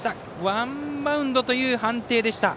ワンバウンドという判定でした。